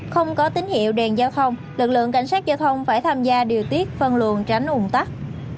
không có tín hiệu đèn giao thông lực lượng cảnh sát giao thông phải tham gia điều tiết phân luồn tránh ủng tắc